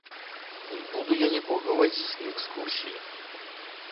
Не буду я нікога вадзіць на экскурсіі.